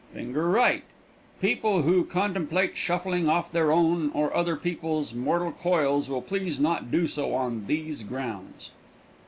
[finger right] People who contemplate shuffling off their own or other people's mortal coils will please not do so on these grounds.